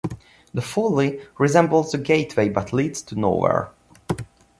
The Folly resembles a gateway but leads to nowhere.